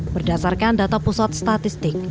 berdasarkan data pusat statistik